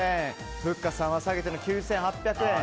ふっかさんは下げての９８００円。